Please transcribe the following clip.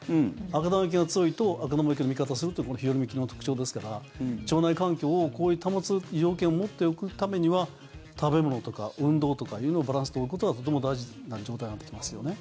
悪玉菌が強いと悪玉菌の味方をするというのがこの日和見菌の特徴ですから腸内環境を保つ要件を持っておくためには食べ物とか運動とかのバランスを取ることがとても大事な状態になってきますよね。